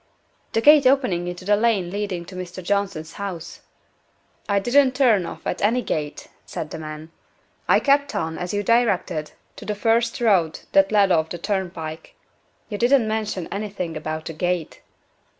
"The gate opening into the lane leading to Mr. Johnson's house." "I didn't turn of at any gate," said the man. "I kept on, as you directed, to the first road that led off from the turnpike. You didn't mention any thing about a gate."